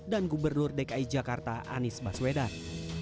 dan gubernur dki jakarta anies baswedan